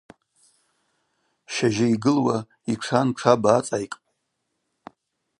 Щажьы йгылуа йтшан тшаба ацӏайкӏпӏ.